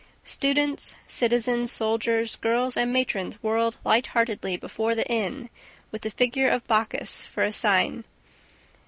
Students, citizens, soldiers, girls and matrons whirled light heartedly before the inn with the figure of Bacchus for a sign.